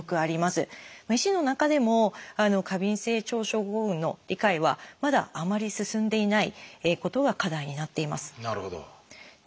医師の中でも過敏性腸症候群の理解はまだあまり進んでいないことが課題になっています。